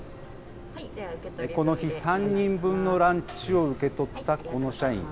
この日、３人分のランチを受け取ったこの社員。